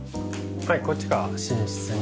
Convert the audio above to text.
はいこっちが寝室になります。